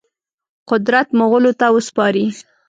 قدرت مغولو ته وسپاري.